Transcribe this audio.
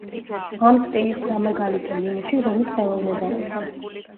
ამ სტილის სამაგალითო ნიმუში რომის ხელოვნება იყო.